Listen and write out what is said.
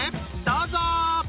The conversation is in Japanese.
どうぞ！